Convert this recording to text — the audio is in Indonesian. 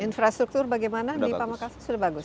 infrastruktur bagaimana di pamekasan sudah bagus